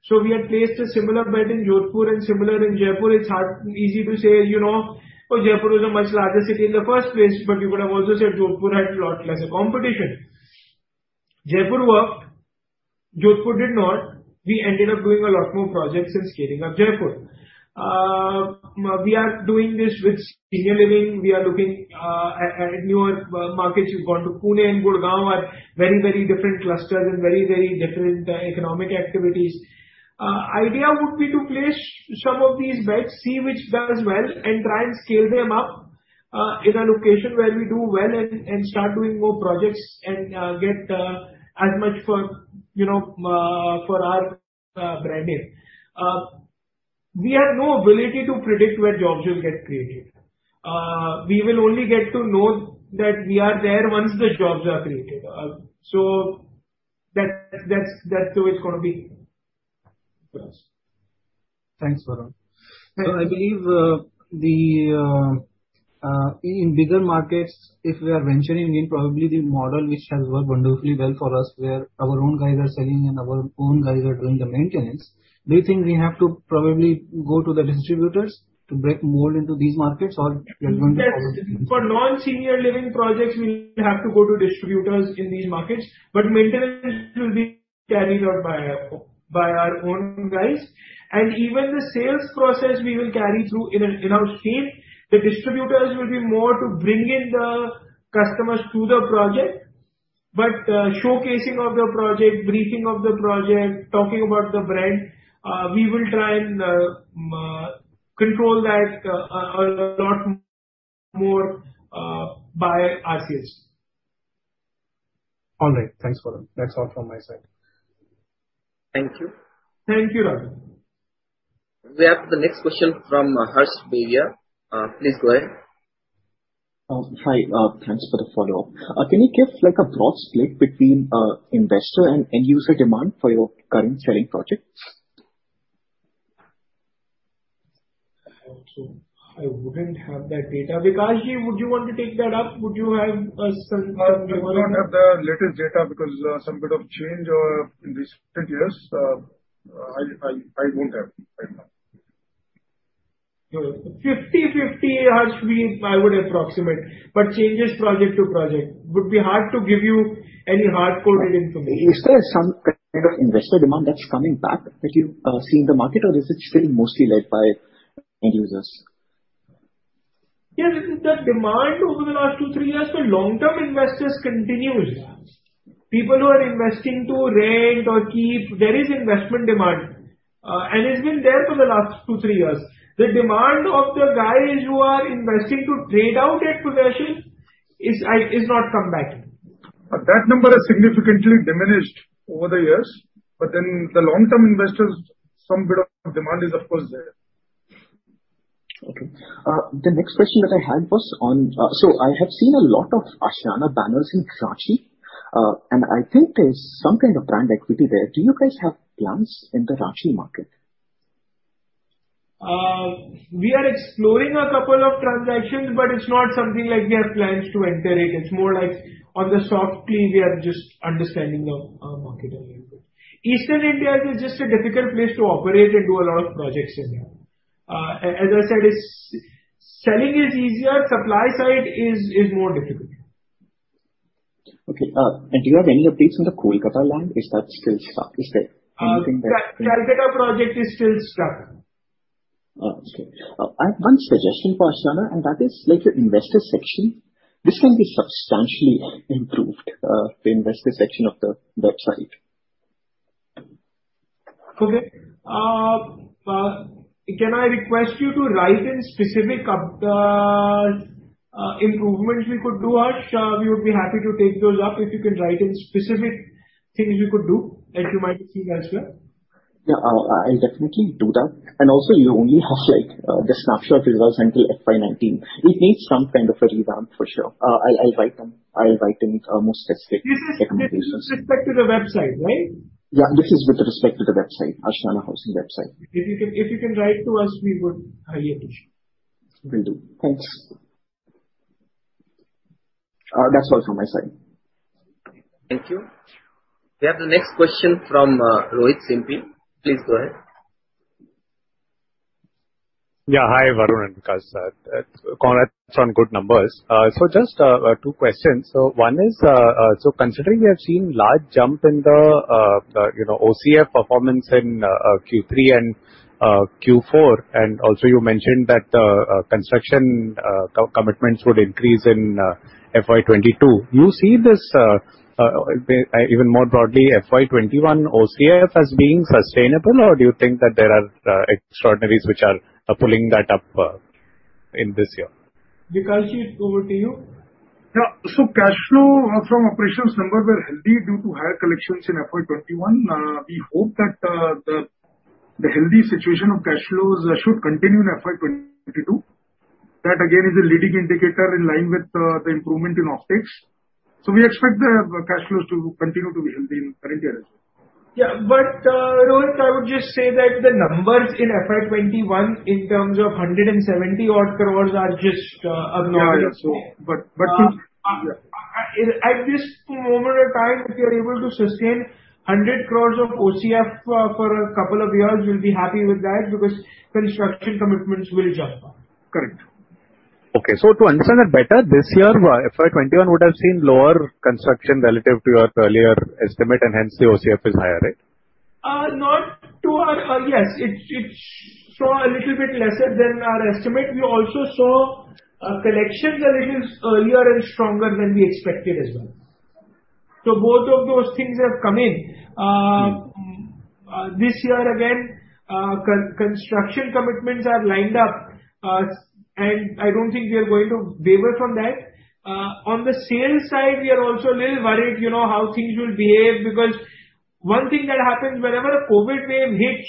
So we had placed a similar bet in Jodhpur and similar in Jaipur. It's hard, easy to say, you know, oh, Jaipur is a much larger city in the first place, but you would have also said Jodhpur had lot less competition. Jaipur worked, Jodhpur did not. We ended up doing a lot more projects and scaling up Jaipur. We are doing this with Senior Living. We are looking at newer markets. We've gone to Pune and Gurgaon, are very, very different clusters and very, very different economic activities. Idea would be to place some of these bets, see which does well, and try and scale them up in a location where we do well and start doing more projects and get as much for, you know, for our brand name. We have no ability to predict where jobs will get created. We will only get to know that we are there once the jobs are created. So that, that's the way it's going to be for us. Thanks, Varun. I believe in bigger markets, if we are venturing in, probably the model which has worked wonderfully well for us, where our own guys are selling and our own guys are doing the maintenance, do you think we have to probably go to the distributors to break more into these markets, or we are going to follow the same? Yes. For non-Senior Living projects, we have to go to distributors in these markets, but maintenance will be carried out by our own guys. And even the sales process, we will carry through in our team. The distributors will be more to bring in the customers to the project. But, showcasing of the project, briefing of the project, talking about the brand, we will try and control that a lot more by ourselves. All right. Thanks, Varun. That's all from my side. Thank you. Thank you, Raghav. We have the next question from, Harsh Beria. Please go ahead.... Hi, thanks for the follow-up. Can you give like a broad split between investor and end user demand for your current selling projects? I hope so. I wouldn't have that data. Vikashji, would you want to take that up? Would you have some, I do not have the latest data because some bit of change in this ten years. I don't have it right now. 50/50 has to be, I would approximate, but changes project to project. Would be hard to give you any hard code information. Is there some kind of investor demand that's coming back that you see in the market, or is it still mostly led by end users? Yeah, the demand over the last two, three years for long-term investors continues. People who are investing to rent or keep, there is investment demand. And it's been there for the last two, three years. The demand of the guys who are investing to trade out at possession is not come back. That number has significantly diminished over the years, but then the long-term investors, some bit of demand is of course there. Okay. The next question that I had was on... so I have seen a lot of Ashiana banners in Ranchi, and I think there's some kind of brand equity there. Do you guys have plans in the Ranchi market? We are exploring a couple of transactions, but it's not something like we have plans to enter it. It's more like on the softly, we are just understanding the market a little bit. Eastern India is just a difficult place to operate and do a lot of projects in there. As I said, it's selling is easier, supply side is more difficult. Okay, and do you have any updates on the Kolkata land? Is that still stuck? Is there anything there? The Kolkata project is still stuck. Okay. I have one suggestion for Ashiana, and that is, like, your investor section; this can be substantially improved, the investor section of the website. Okay. Can I request you to write in specific improvements we could do? We would be happy to take those up, if you can write in specific things you could do, as you might have seen as well. Yeah, I'll definitely do that. And also, you only have, like, the snapshot results until FY 2019. It needs some kind of a revamp for sure. I'll write in more specific recommendations. This is with respect to the website, right? Yeah, this is with respect to the website, Ashiana Housing website. If you can, if you can write to us, we would highly appreciate. Will do. Thanks. That's all from my side. Thank you. We have the next question from Rohit Simpi. Please go ahead. Yeah, hi, Varun and Vikash. Uh, congrats on good numbers. So just two questions. So one is, so considering we have seen large jump in the, the, you know, OCF performance in Q3 and Q4, and also you mentioned that the construction co-commitments would increase in FY 2022. You see this even more broadly FY 2020 OCF as being sustainable, or do you think that there are extraordinaries which are pulling that up in this year? Vikashji, it's over to you. Yeah. So cash flow from operations numbers were healthy due to higher collections in FY 2020. We hope that the healthy situation of cash flows should continue in FY 2022. That again is a leading indicator in line with the improvement in optics. So we expect the cash flows to continue to be healthy in current year as well. Yeah, but, Rohit, I would just say that the numbers in FY 21, in terms of 170-odd crore are just, anomalous. Yeah, yeah, so, but, but- At this moment of time, if we are able to sustain 100 crore of OCF for a couple of years, we'll be happy with that, because construction commitments will jump up. Correct. Okay, so to understand that better, this year, FY21 would have seen lower construction relative to your earlier estimate, and hence the OCF is higher, right? Not to our... yes, it, it showed a little bit lesser than our estimate. We also saw, collections a little earlier and stronger than we expected as well. So both of those things have come in. Mm-hmm. This year again, construction commitments are lined up, and I don't think we are going to waver from that. On the sales side, we are also a little worried, you know, how things will behave because one thing that happens whenever a COVID wave hits,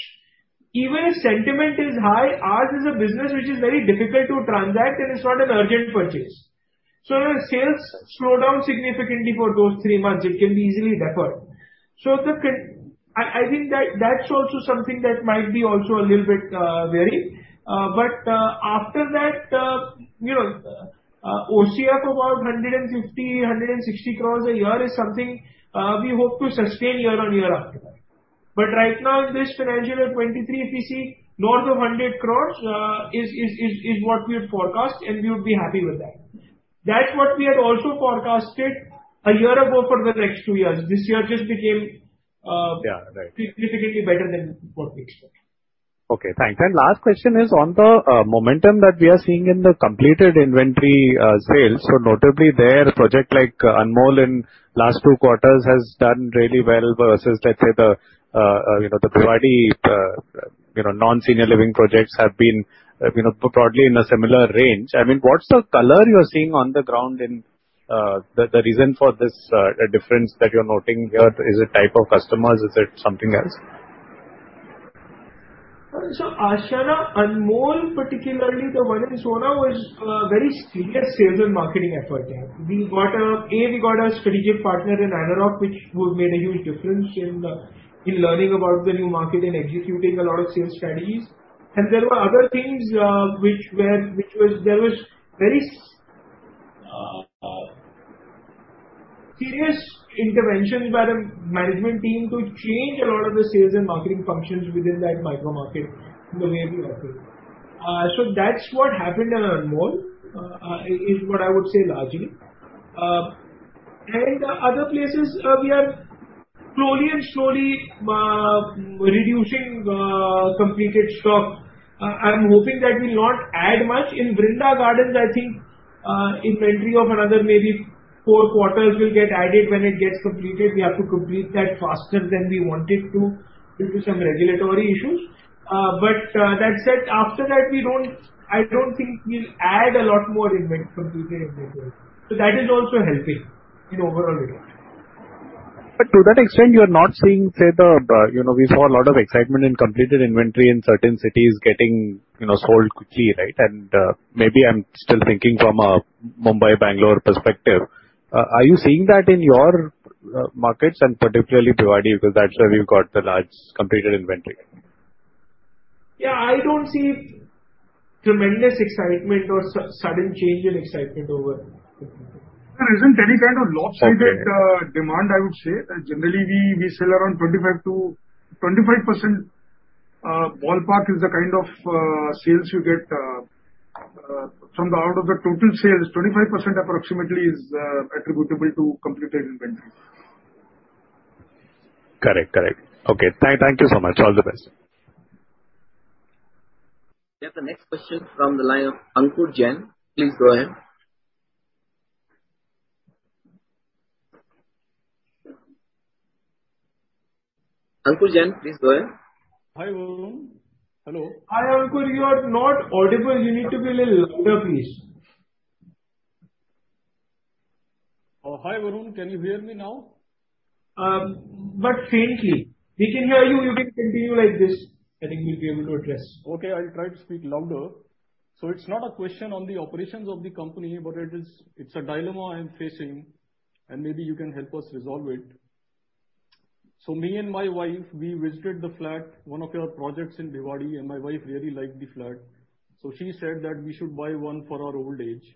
even if sentiment is high, ours is a business which is very difficult to transact, and it's not an urgent purchase. So if the sales slow down significantly for 2-3 months, it can be easily deferred. So I think that that's also something that might be also a little bit varied. But after that, you know, OCF about 150-160 crores a year is something we hope to sustain year-on-year after that. But right now, this financial year, 2023, if we see north of 100 crore, is what we had forecast, and we would be happy with that. That's what we had also forecasted a year ago for the next two years. This year just became. Yeah, right. - significantly better than what we expected. Okay, thanks. And last question is on the momentum that we are seeing in the completed inventory sales. So notably there, a project like Anmol in last two quarters has done really well versus, let's say, the you know, the Diwali you know, non-Senior Living projects have been you know, broadly in a similar range. I mean, what's the color you are seeing on the ground and the the reason for this difference that you're noting here? Is it type of customers? Is it something else?... So Ashiana Anmol, particularly the one in Sohna, was a very serious sales and marketing effort there. We got a strategic partner in Anarock, which would have made a huge difference in learning about the new market and executing a lot of sales strategies. And there were other things which were very serious interventions by the management team to change a lot of the sales and marketing functions within that micro market in the way we operate. So that's what happened in Anmol is what I would say largely. And other places, we are slowly and slowly reducing completed stock. I'm hoping that we'll not add much. In Vrinda Gardens, I think, inventory of another maybe four quarters will get added when it gets completed. We have to complete that faster than we wanted to, due to some regulatory issues. But, that said, after that, we don't... I don't think we'll add a lot more completed inventory. So that is also helping in overall result. But to that extent, you are not seeing, say, the, you know, we saw a lot of excitement in completed inventory in certain cities getting, you know, sold quickly, right? And, maybe I'm still thinking from a Mumbai, Bangalore perspective. Are you seeing that in your, markets and particularly Bhiwadi, because that's where you've got the large completed inventory? Yeah, I don't see tremendous excitement or sudden change in excitement over it. There isn't any kind of lopsided- Okay. demand, I would say. Generally, we sell around 25 to 25%, ballpark is the kind of sales you get from out of the total sales, 25% approximately is attributable to completed inventory. Correct. Okay, thank you so much. All the best. We have the next question from the line of Ankur Jain. Please go ahead. Ankur Jain, please go ahead. Hi, Varun. Hello? Hi, Ankur, you are not audible. You need to be a little louder, please. Hi, Varun, can you hear me now? But faintly. We can hear you. You can continue like this. I think he'll be able to address. Okay, I'll try to speak louder. So it's not a question on the operations of the company, but it is, it's a dilemma I am facing, and maybe you can help us resolve it. So me and my wife, we visited the flat, one of your projects in Bhiwadi, and my wife really liked the flat. So she said that we should buy one for our old age.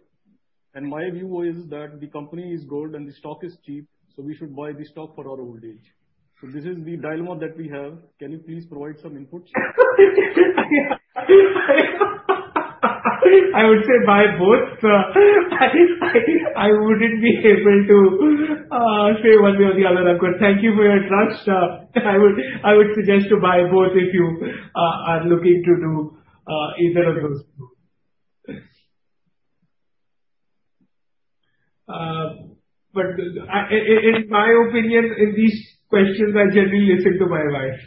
And my view is that the company is good and the stock is cheap, so we should buy the stock for our old age. So this is the dilemma that we have. Can you please provide some inputs? I would say buy both. I wouldn't be able to say one way or the other, Ankur. Thank you for your trust. I would suggest to buy both if you are looking to do either of those two. But in my opinion, in these questions, I generally listen to my wife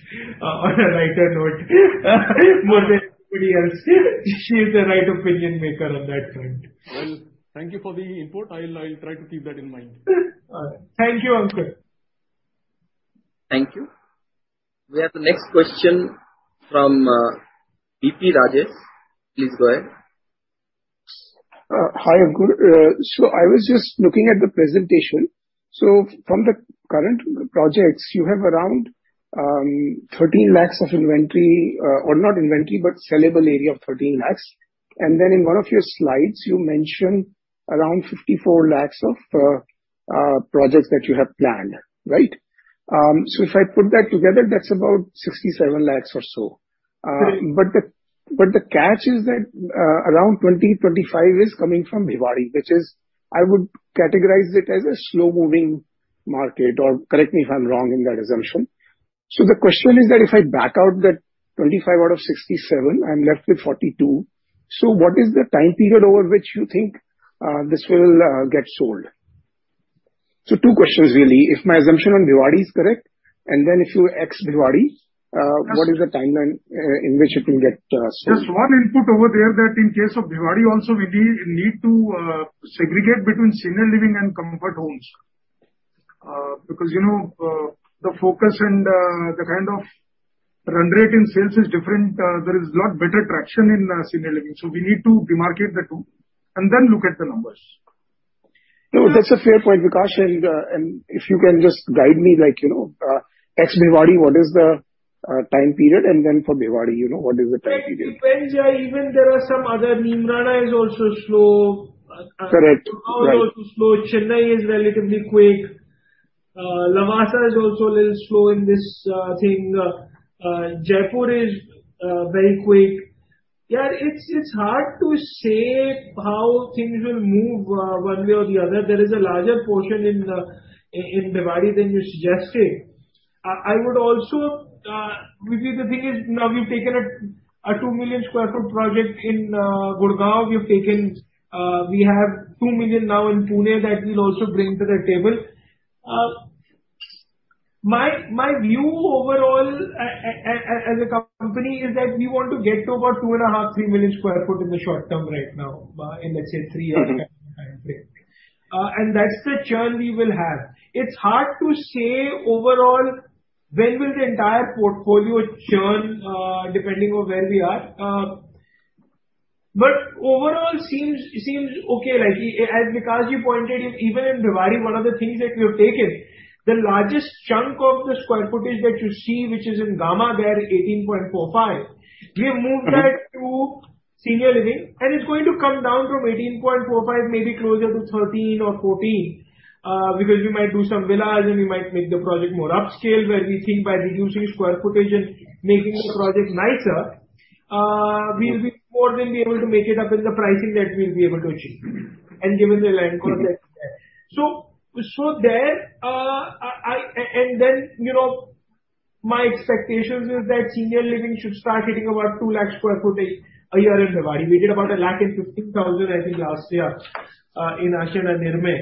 on a lighter note, more than anybody else. She is the right opinion maker on that front. Well, thank you for the input. I'll, I'll try to keep that in mind. Thank you, Ankur. Thank you. We have the next question from V.P. Rajesh. Please go ahead. Hi, so I was just looking at the presentation. So from the current projects, you have around 13 lakhs of inventory, or not inventory, but sellable area of 13 lakhs. Then in one of your slides, you mentioned around 54 lakhs of projects that you have planned, right? If I put that together, that's about 67 lakhs or so. Right. But the catch is that around 25 is coming from Bhiwadi, which is... I would categorize it as a slow-moving market, or correct me if I'm wrong in that assumption. So the question is that if I back out that 25 out of 67, I'm left with 42. So what is the time period over which you think this will get sold? So two questions, really. If my assumption on Bhiwadi is correct, and then if you ex Bhiwadi, uh- Yes. What is the timeline in which it will get sold? Just one input over there, that in case of Bhiwadi also, we need to segregate between Senior Living and comfort homes. Because, you know, the focus and the kind of run rate in sales is different. There is a lot better traction in Senior Living. So we need to demarcate the two and then look at the numbers. No, that's a fair point, Vikash. And if you can just guide me, like, you know, ex-Bhiwadi, what is the time period, and then for Bhiwadi, you know, what is the time period? That depends. Yeah, even there are some other, Neemrana is also slow. Correct. Gurgaon is also slow. Right. Chennai is relatively quick. Lavasa is also a little slow in this thing. Jaipur is very quick. Yeah, it's, it's hard to say how things will move one way or the other. There is a larger portion in Bhiwadi than you're suggesting. I would also, VG, the thing is, now we've taken a 2 million sq ft project in Gurgaon. We've taken, we have 2 million now in Pune that we'll also bring to the table. My, my view overall, as a company, is that we want to get to about 2.5-3 million sq ft in the short term right now, in, let's say, three years. And that's the churn we will have. It's hard to say overall when will the entire portfolio churn, depending on where we are. But overall, seems okay, like, as Vikash you pointed, even in Bhiwadi, one of the things that we have taken, the largest chunk of the square footage that you see, which is in Gamma there, 18.45, we have moved that to Senior Living, and it's going to come down from 18.45, maybe closer to 13 or 14. Because we might do some villas, and we might make the project more upscale, where we think by reducing square footage and making the project nicer, Mm-hmm. we more than be able to make it up in the pricing that we'll be able to achieve, and given the land cost that's there. So, there, and then, you know, my expectations is that Senior Living should start hitting about 200,000 sq ft a year in Bhiwadi. We did about 115,000, I think, last year, in Ashiana Nirmay,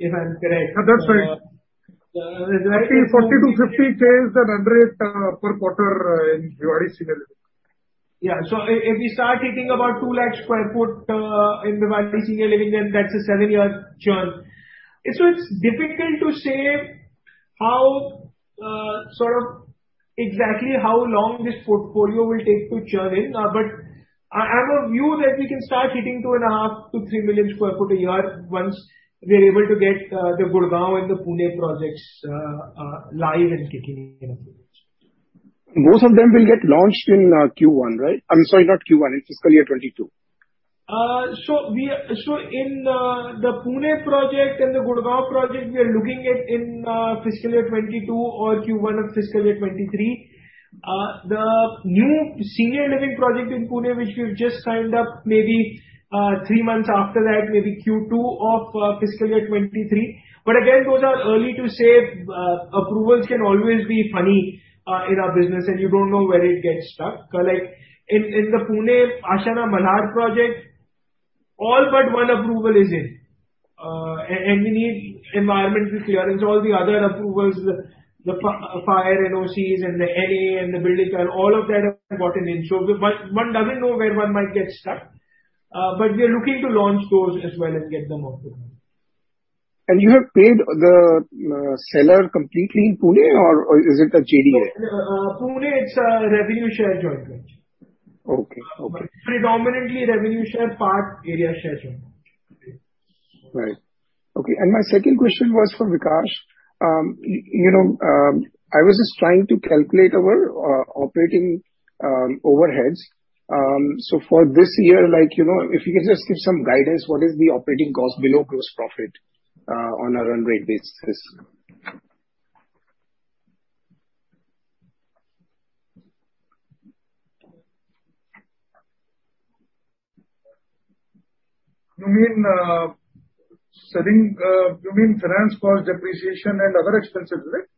if I'm correct. That's right. Uh, uh, right- I think 40-50 sales at run rate, per quarter, in Bhiwadi Senior Living. Yeah. So if we start hitting about 200,000 sq ft in Bhiwadi Senior Living, then that's a 7-year churn. So it's difficult to say how sort of exactly how long this portfolio will take to churn in, but I have a view that we can start hitting 2.5-3 million sq ft a year once we're able to get the Gurgaon and the Pune projects live and kicking in. Most of them will get launched in Q1, right? I mean, sorry, not Q1, in fiscal year 2022. So in the Pune project and the Gurgaon project, we are looking at in fiscal year 2022 or Q1 of fiscal year 2023. The new Senior Living project in Pune, which we've just signed up, maybe three months after that, maybe Q2 of fiscal year 2023. But again, those are early to say. Approvals can always be funny in our business, and you don't know where it gets stuck. Like in, in the Pune Ashiana Malhar project, all but one approval is in. And we need environmental clearance, all the other approvals, the fire NOCs and the NA and the building permit, all of that have gotten in. So but one doesn't know where one might get stuck. But we are looking to launch those as well and get them off the ground. You have paid the seller completely in Pune, or is it a JDA? Pune, it's a revenue share joint venture. Okay. Okay. Predominantly revenue share, part area share joint venture. Right. Okay, and my second question was for Vikash. You know, I was just trying to calculate our operating overheads. So for this year, like, you know, if you can just give some guidance, what is the operating cost below gross profit on a run rate basis? You mean, selling, you mean finance cost, depreciation and other expenses, right?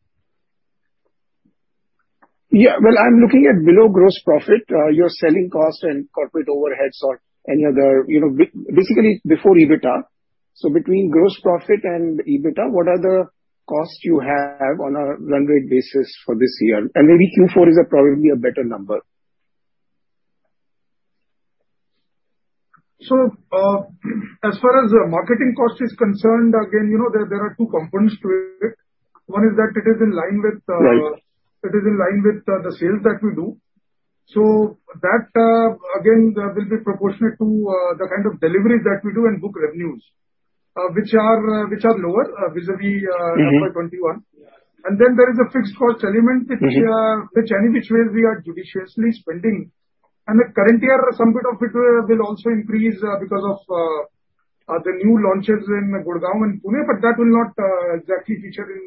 Yeah. Well, I'm looking at below gross profit, your selling cost and corporate overheads or any other, you know, basically before EBITDA. So between gross profit and EBITDA, what are the costs you have on a run rate basis for this year? And maybe Q4 is a probably a better number. As far as the marketing cost is concerned, again, you know, there are two components to it. One is that it is in line with, Right. It is in line with the sales that we do. So that, again, will be proportionate to the kind of deliveries that we do and book revenues, which are, which are lower, vis-à-vis- Mm-hmm - Q1 2021. And then there is a fixed cost element- Mm-hmm. which anyway we are judiciously spending. And the current year, some bit of it, will also increase because of the new launches in Gurgaon and Pune, but that will not exactly feature in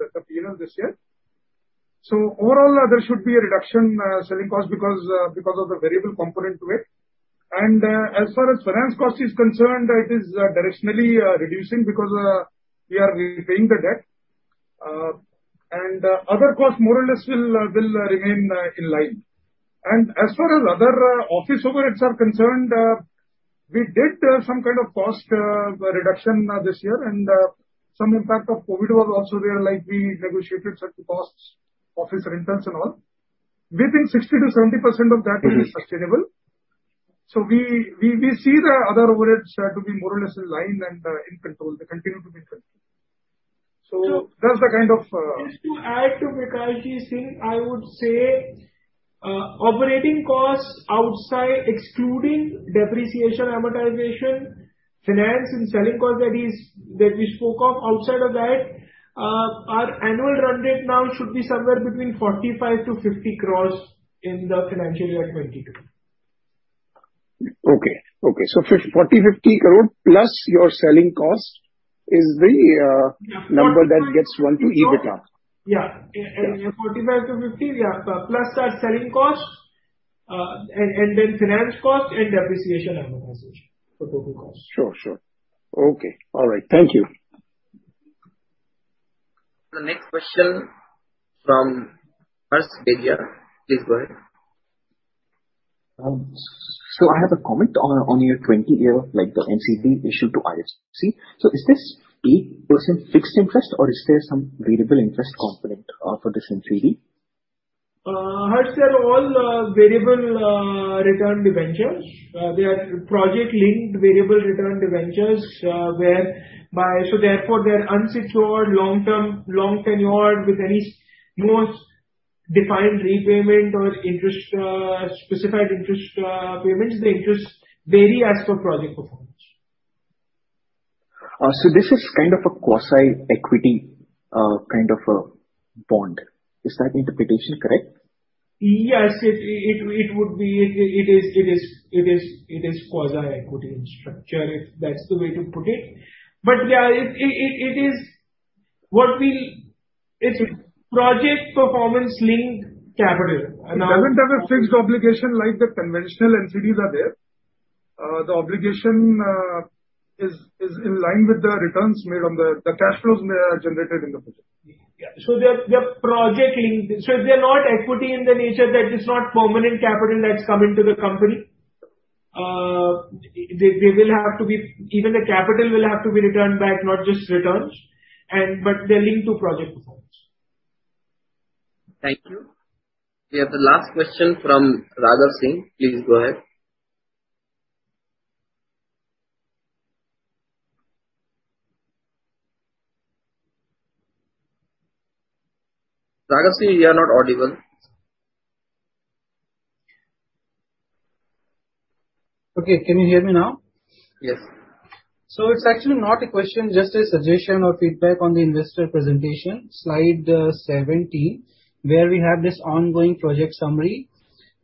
the P&L this year. So overall, there should be a reduction selling cost because of the variable component to it. And as far as finance cost is concerned, it is directionally reducing because we are repaying the debt. And other costs more or less will remain in line. And as far as other office overheads are concerned, we did some kind of cost reduction this year, and some impact of COVID was also there, like we negotiated certain costs, office rentals and all. We think 60%-70% of that- Mm-hmm. - will be sustainable. So we see the other overheads to be more or less in line and in control. They continue to be in control. So- So- That's the kind of, Just to add to Vikash ji's thing, I would say, operating costs outside, excluding depreciation, amortization, finance and selling cost, that is, that we spoke of, outside of that, our annual run rate now should be somewhere between 45-50 crores in the financial year 2022. Okay. Okay. So 40 crore-50 crore plus your selling cost is the Yeah. - number that gets one to EBITDA. Yeah. Yeah. 45-50, yeah, plus our selling cost, and then finance cost and depreciation amortization for total cost. Sure. Sure. Okay. All right. Thank you. The next question from Harsh Beria. Please go ahead. I have a comment on your 20-year, like the NCD issued to IFC. Is this a percent fixed interest or is there some variable interest component for this NCD?... These are all variable return debentures. They are project-linked variable return debentures, whereby so therefore, they are unsecured, long-term, long tenured, without any fixed repayment or interest specified interest payments. The interest vary as per project performance. So this is kind of a quasi-equity, kind of a bond. Is that interpretation correct? Yes, it would be. It is quasi-equity in structure, if that's the way to put it. But, yeah, it is what we-- It's project performance linked capital. It doesn't have a fixed obligation like the conventional NCDs are there. The obligation is in line with the returns made on the cash flows generated in the project. Yeah, so they're, they're project-linked. So they're not equity in nature, that is not permanent capital that's coming to the company. Uh, they, they will have to be... Even the capital will have to be returned back, not just returns, and but they're linked to project performance. Thank you. We have the last question from Raghav Singh. Please go ahead. Raghav Singh, you are not audible. Okay. Can you hear me now? Yes. So it's actually not a question, just a suggestion or feedback on the investor presentation. Slide 70, where we have this ongoing project summary,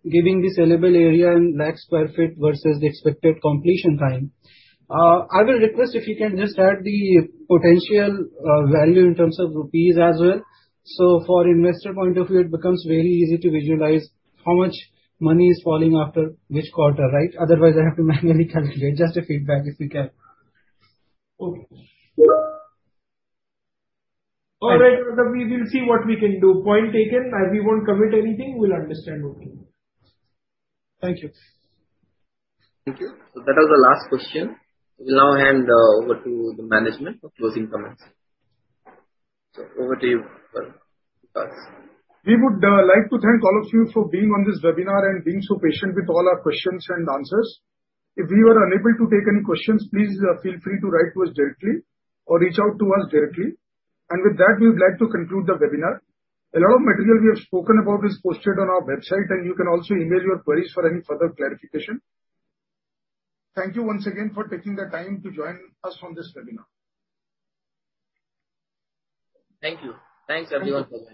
giving the sellable area in lakh sq ft versus the expected completion time. I will request if you can just add the potential value in terms of INR as well. So for investor point of view, it becomes very easy to visualize how much money is falling after which quarter, right? Otherwise, I have to manually calculate. Just a feedback, if you can. Okay. All right, Raghav, we will see what we can do. Point taken. We won't commit anything. We'll understand okay. Thank you. Thank you. So that was the last question. We'll now hand over to the management for closing comments. So over to you, Paras. We would like to thank all of you for being on this webinar and being so patient with all our questions and answers. If we were unable to take any questions, please feel free to write to us directly or reach out to us directly. And with that, we would like to conclude the webinar. A lot of material we have spoken about is posted on our website, and you can also email your queries for any further clarification. Thank you once again for taking the time to join us on this webinar. Thank you. Thanks, everyone.